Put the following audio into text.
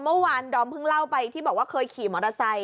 เมื่อวานดอมพึ่งเล่าไปที่บอกว่าเคยขี่มอเตอร์ไซม์